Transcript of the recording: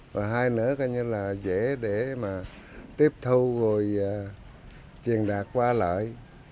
và hai nơi là dễ để mà tiếp thâu rồi truyền đạt qua lại